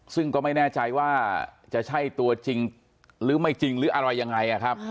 ซึ่งก็ไม่แน่ใจว่าจะใช่ตัวจริงหรือไม่จริงหรืออะไรยังไง